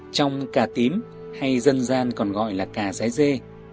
trong cà tím hay dân gian còn gọi là cà giái dê